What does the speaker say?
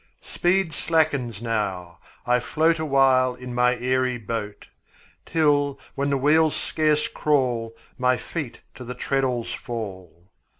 Speed slackens now, I float Awhile in my airy boat; Till, when the wheels scarce crawl, My feet to the treadles fall.